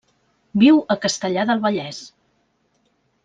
Viu a Castellar del Vallès.